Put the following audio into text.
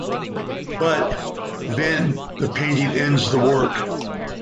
But, then the painting ends the work.